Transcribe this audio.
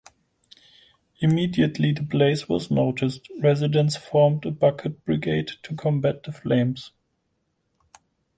Immediately the blaze was noticed, residents formed a bucket brigade to combat the flames.